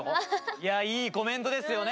いやいいコメントですよね！